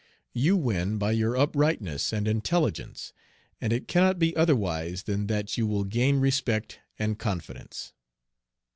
You win by your uprightness and intelligence, and it cannot be otherwise than that you will gain respect and confidence."